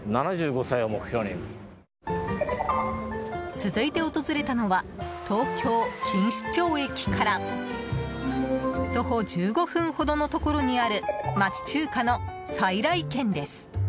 続いて訪れたのは東京・錦糸町駅から徒歩１５分ほどのところにある町中華の菜来軒です。